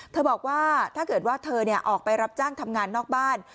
บอกว่าถ้าเกิดว่าเธอออกไปรับจ้างทำงานนอกบ้าน